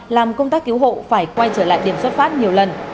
làm công tác cứu hộ phải quay trở lại điểm xuất phát nhiều lần